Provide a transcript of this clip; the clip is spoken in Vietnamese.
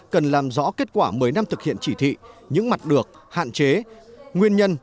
cần làm rõ kết quả một mươi năm thực hiện chỉ thị những mặt được hạn chế nguyên nhân